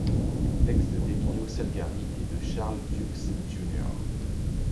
Textes d'Emilio Salgari et de Charles Dukes Jr.